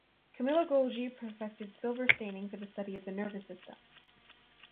Camillo Golgi perfected silver staining for the study of the nervous system.